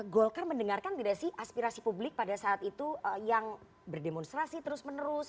golkar mendengarkan tidak sih aspirasi publik pada saat itu yang berdemonstrasi terus menerus